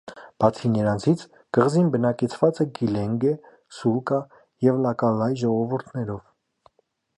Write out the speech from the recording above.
Բացի նրանցից, կղզին բնակեցված է կիլենգե, սուլկա և լակալայ ժողովուրդներով։